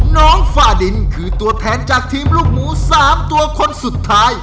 ฟ้าดินคือตัวแทนจากทีมลูกหมู๓ตัวคนสุดท้าย